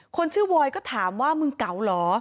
คนชื่อวอยก็ถามว่ามึงเก๋าเหรอ